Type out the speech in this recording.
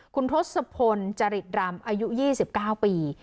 คุณทศพลจริตรำอายุยี่สิบเก้าปี